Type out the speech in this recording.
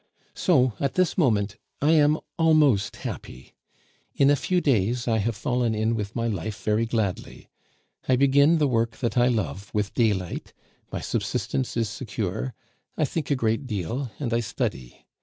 So at this moment I am almost happy. In a few days I have fallen in with my life very gladly. I begin the work that I love with daylight, my subsistence is secure, I think a great deal, and I study.